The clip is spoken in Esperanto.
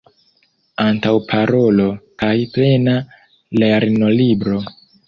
Antaŭparolo kaj plena lernolibro.